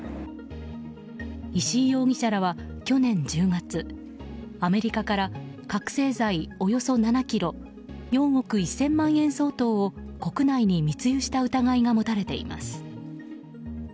石井容疑者らは、去年１０月アメリカから覚醒剤およそ７４億１０００万円相当を国内に密輸した疑いが持たれています。